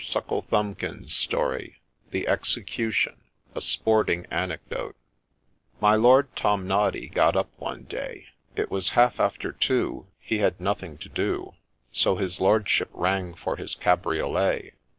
SUCKLETHUMBKIN'S STORY THE EXECUTION A SPORTING ANECDOTE MY Lord Tomnoddy got up one day ; It was half after two, He had nothing to do, So his Lordship rang for his cabriolet.